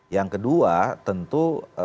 yang kedua tentu